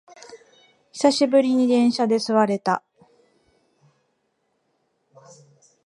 久しぶりに電車で座れた